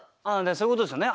そういうことですよね